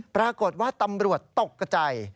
ปรากฏว่าตำรวจตกกระใจ